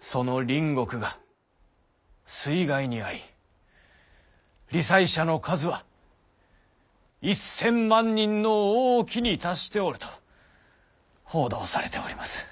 その隣国が水害に遭い罹災者の数は１，０００万人の多きに達しておると報道されております。